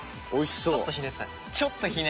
ちょっとひねったね。